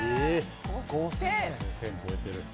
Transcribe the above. ５０００！？